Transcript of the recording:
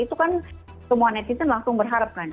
itu kan semua netizen langsung berharapkan